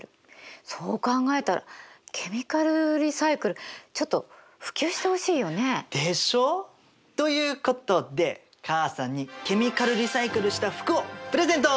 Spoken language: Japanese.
そう考えたらケミカルリサイクルちょっと普及してほしいよね。でしょう？ということで母さんにケミカルリサイクルした服をプレゼント！